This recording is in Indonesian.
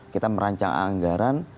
kita merancang anggaran